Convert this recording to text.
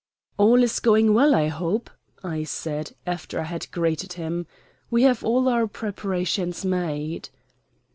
"All is going well, I hope," I said, after I had greeted him. "We have all our preparations made."